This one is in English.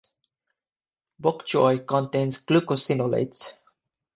Bok choy contains glucosinolates.